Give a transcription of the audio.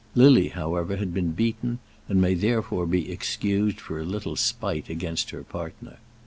Lily, however, had been beaten, and may therefore be excused for a little spite against her partner.